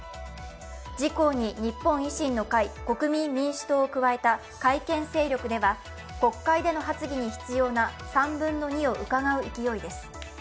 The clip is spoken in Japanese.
自公に日本維新の会、国民民主党を加えた改憲勢力では、国会での発議に必要な３分の２をうかがう勢いです。